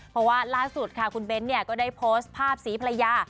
เพราะว่าล่าสุดค่ะคุณเบ้นเนี่ยก็ได้โพสต์ภาพศรีภรรยา